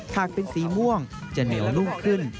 หากเป็นสีม่วงจะเหนียวนุ่มขึ้น